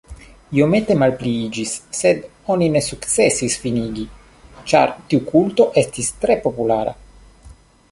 Iomete malpliiĝis, sed oni ne sukcesis finigi, ĉar tiu kulto estis tre populara.